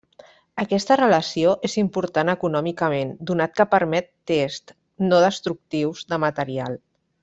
Aquesta relació és important econòmicament donat que permet tests no destructius de materials.